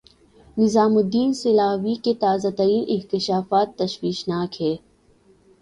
نظام الدین سیالوی کے تازہ ترین انکشافات تشویشناک ہیں۔